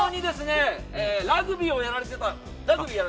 ラグビーをやられてた？